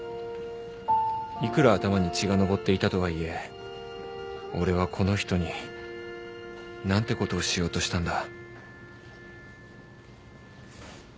いくら頭に血が上っていたとはいえ俺はこの人に何てことをしようとしたんだ